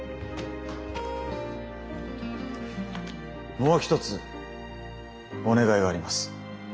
もう一つお願いがあります。